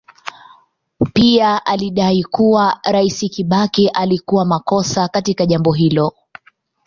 Pia alidai kuwa Rais Kibaki alikuwa makosa katika jambo hilo.